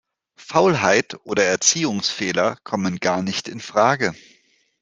Faulheit oder Erziehungsfehler kommen gar nicht infrage.